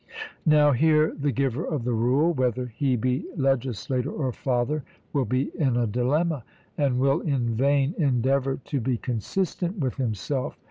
Now, here the giver of the rule, whether he be legislator or father, will be in a dilemma, and will in vain endeavour to be consistent with himself.